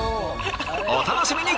お楽しみに！